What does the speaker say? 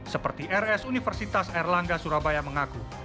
seperti rs universitas erlangga surabaya mengaku